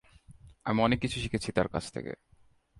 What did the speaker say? আমি অনেক কিছু শিখেছি তাঁর কাছ থেকে।